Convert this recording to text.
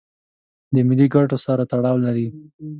د ملي ګټو سره تړاو لري.